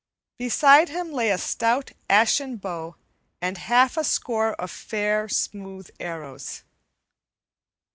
Beside him lay a stout ashen bow and half a score of fair, smooth arrows.